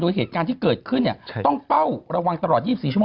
โดยเหตุการณ์ที่เกิดขึ้นต้องเป้าระวังตลอด๒๔ชั่